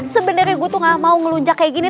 sebenernya gue tuh gak mau ngelunjak kayak gini